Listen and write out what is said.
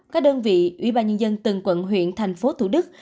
các đơn vị ủy ban nhân dân từng quận huyện thành phố thủ đức